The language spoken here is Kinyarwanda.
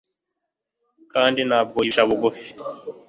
kandi nta bwo wibeshye uncisha bugufi